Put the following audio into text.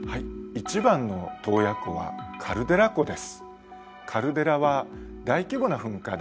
１番の洞爺湖は「カルデラ湖」です。